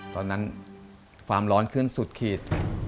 ตอนนั้นความร้อนขึ้นสุดขีด